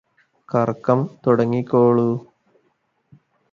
കറക്കം തുടങ്ങിക്കോളൂ